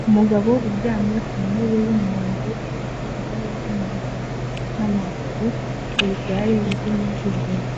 Umugabo uryamye ku ntebe y'umuhondo ifite ibara ry'umuhondo n'amaguru ku igare ry'imizigo